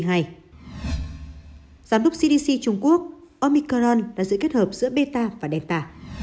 giám đốc cdc trung quốc omicorn đã giữ kết hợp giữa beta và delta